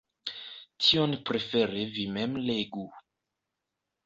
Tion prefere vi mem legu.